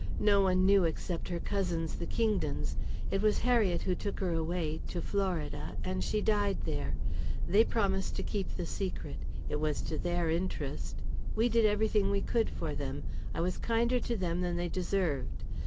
No one knew except her cousins, the Kingdons. It was Harriet who took her away to Florida and she died there. They promised to keep the secret it was to their interest we did everything we could for them I was kinder to them than they deserved.